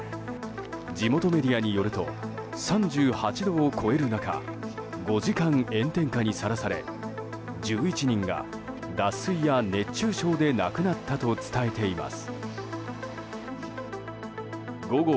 地元メディアによると３８度を超える中５時間、炎天下にさらされ１１人が脱水や熱中症で亡くなったと伝えています。